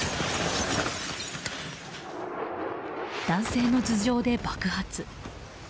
男性の頭上で爆発！